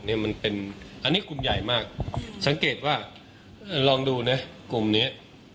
มันเป็นอันนี้กลุ่มใหญ่มากสังเกตว่าลองดูนะกลุ่มเนี้ย